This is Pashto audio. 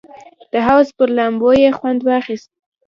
د حوض پر لامبو یې خوند واخیست.